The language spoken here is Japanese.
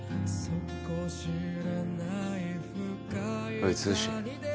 おい剛。